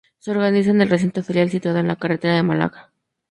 Se organiza en el recinto ferial situado en la Carretera de Málaga.